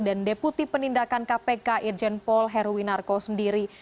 dan deputi penindakan kpk irjen paul heruwinarko sendiri